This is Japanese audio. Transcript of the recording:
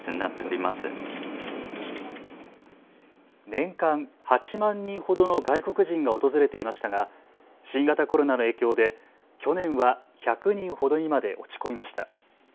年間８万人ほどの外国人が訪れていましたが新型コロナの影響で去年は１００人ほどにまで落ち込みました。